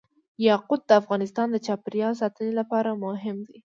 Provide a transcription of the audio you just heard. یاقوت د افغانستان د چاپیریال ساتنې لپاره مهم دي.